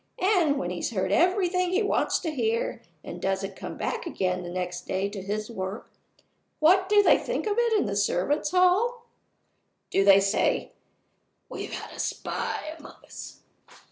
And when he's heard everything he wants to hear, and doesn't come back again the next day to his work what do they think of it in the servants' hall? Do they say, 'We've had a spy among us!